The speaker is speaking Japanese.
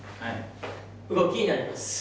動きになります。